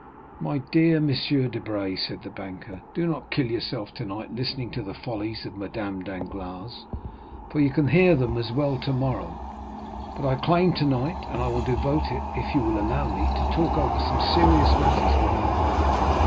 "My dear M. Debray," said the banker, "do not kill yourself tonight listening to the follies of Madame Danglars, for you can hear them as well tomorrow; but I claim tonight and will devote it, if you will allow me, to talk over some serious matters with my wife."